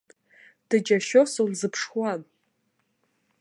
Дџьашьо сылзыԥшуан.